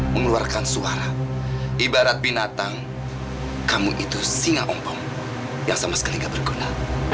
mengeluarkan suara ibarat binatang kamu itu singa ompong yang sama sekali gak berguna